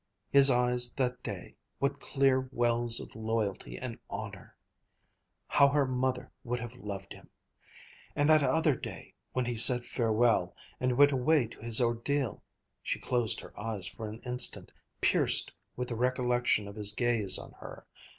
His eyes that day, what clear wells of loyalty and honor ... how her mother would have loved him! And that other day, when he said farewell and went away to his ordeal ... she closed her eyes for an instant, pierced with the recollection of his gaze on her!